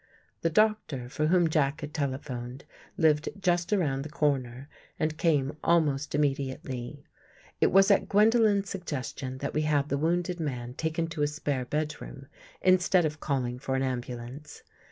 The doctor for whom Jack had telephoned lived just around the corner and came almost immediately. It was at Gwendolen's suggestion that we had the wounded man taken to a spare bedroom, instead of calling for an ambulance.